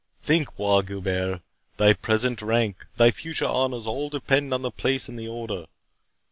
Think, Bois Guilbert,—thy present rank, thy future honours, all depend on thy place in the Order.